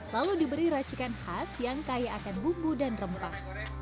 lalu diberi racikan khas yang kaya akan bumbu dan rempah